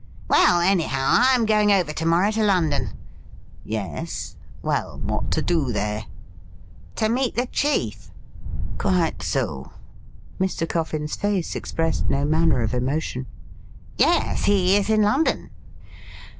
' Well, anyhow, I am going over to morrow to London.' ' Yes ; well, what to do there .?'' To meet the chief ' Quite so.' Mr. Coffin's face expressed no manner of emotion. ' Yes ; he is in London.'